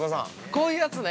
◆こういうやつね。